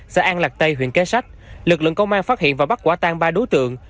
xã an lạc tây huyện kế sách lực lượng công an phát hiện và bắt quả tan ba đối tượng